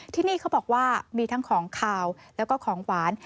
ที่นี่เขาบอกว่ามีทั้งของขาวแล้วก็ของหวาน